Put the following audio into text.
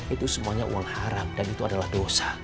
itu semuanya uang haram dan itu adalah dosa